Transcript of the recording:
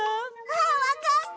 あっわかった！